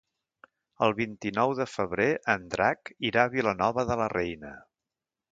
El vint-i-nou de febrer en Drac irà a Vilanova de la Reina.